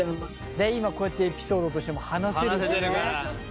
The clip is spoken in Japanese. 今こうやってエピソードとしても話せるしね。